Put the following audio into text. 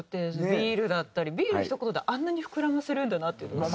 ビールだったり「ビール」のひと言であんなに膨らませるんだなっていうのが。